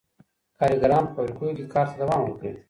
کارګران په فابریکو کي کار ته دوام ورکوي.